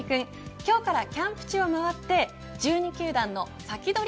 今日からキャンプ地を回って１２球団のサキドリ！